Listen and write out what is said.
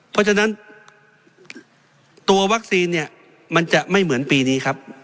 เพราะฉะนั้นตัววัคซีนเนี่ยมันจะไม่เหมือนปีนี้ครับ